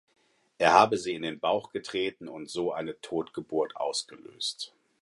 Er habe sie in den Bauch getreten und so eine Totgeburt ausgelöst.